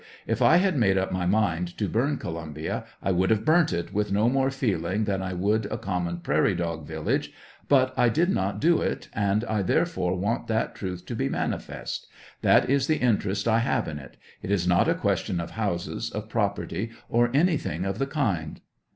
If I had made up my mind to burn Columbia I would have burnt it with no more feeling than I would a common prairie dog village; but I did not do it, and I therefore want that truth to be manifest ; that is the interest I have in it ; it is not a question of houses, of property, or anything of the kind.